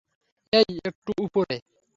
এই, একটু উপরে।